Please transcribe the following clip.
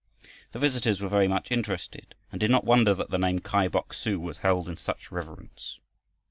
The visitors were very much interested and did not wonder that the name "Kai Bok su" was held in such reverence.